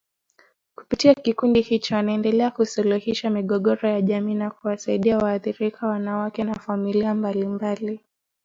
Kupitia kikundi hicho anaendelea kusuluhisha migogoro ya jamii na kuwasaidia waathirika wanawake na familia mbalimbali